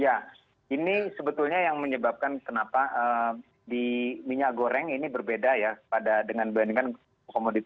ya ini sebetulnya yang menyebabkan kenapa di minyak goreng ini berbeda ya pada dengan komoditas komoditas yang lain di mana bumn lebih berperan